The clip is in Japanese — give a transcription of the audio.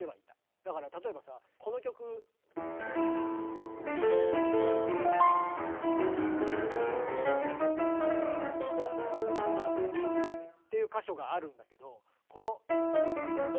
だから例えばさこの曲。っていう箇所があるんだけどこの。